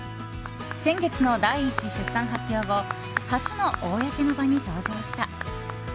先月の第１子出産発表後初の公の場に登場した。